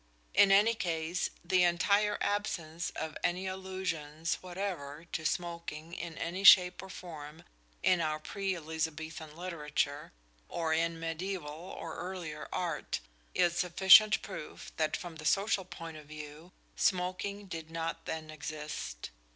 In any case, the entire absence of any allusions whatever to smoking in any shape or form in our pre Elizabethan literature, or in mediæval or earlier art, is sufficient proof that from the social point of view smoking did not then exist.